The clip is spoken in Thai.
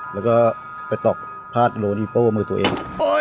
แล้วก็ไปตอกพาดโลดีโป้มือตัวเอง